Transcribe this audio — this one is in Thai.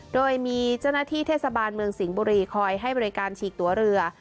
โดยมีเจ้าหน้าที่เทศบาลเมืองสิงห์บุรีคอยให้บริการฉีกตัวเรือ